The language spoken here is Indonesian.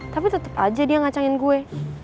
tapi tetep aja dia ngacangin gue